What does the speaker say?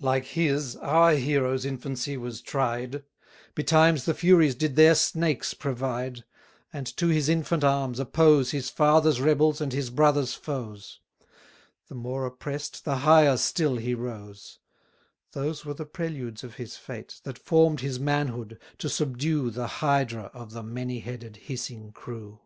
Like his, our hero's infancy was tried; Betimes the Furies did their snakes provide; And to his infant arms oppose His father's rebels, and his brother's foes; The more oppress'd, the higher still he rose: Those were the preludes of his fate, That form'd his manhood, to subdue The Hydra of the many headed hissing crew.